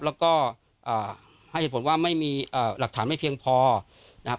แล้วก็ให้เหตุผลว่าไม่มีหลักฐานไม่เพียงพอนะครับ